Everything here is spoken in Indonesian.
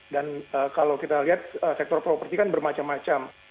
dan kalau kita lihat sektor properti kan bermacam macam